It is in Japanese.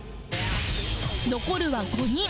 残るは５人